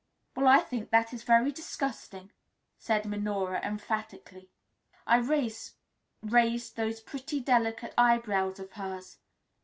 "Well, I think that is very disgusting," said Minora emphatically. Irais raised those pretty, delicate eyebrows of hers.